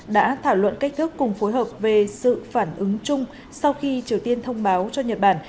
đã thảo luận cách thức cùng phối hợp về sự phản ứng chung sau khi triều tiên thông báo cho nhật bản